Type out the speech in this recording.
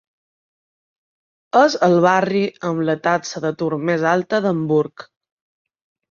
És el barri amb la taxa d'atur més alta d'Hamburg.